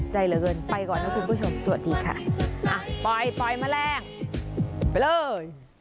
โดยการติดต่อไปก็จะเกิดขึ้นการติดต่อไป